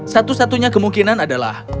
satu satunya kemungkinan adalah